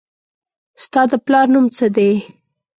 ستا د پلار نوم څه دي